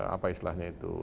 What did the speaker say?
apa istilahnya itu